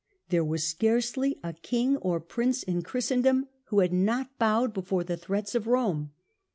There was scarcely a King or Prince in Christen dom who had not bowed before the threats of Rome.